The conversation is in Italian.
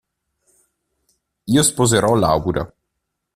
Io sposerò Laura.